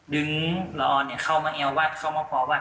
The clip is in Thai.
ดึงละออนเข้ามาในวัดเข้ามาพอวัด